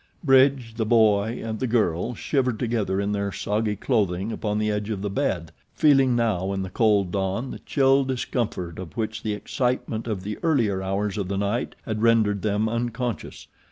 Bridge, the boy, and the girl shivered together in their soggy clothing upon the edge of the bed, feeling now in the cold dawn the chill discomfort of which the excitement of the earlier hours of the night had rendered them unconscious.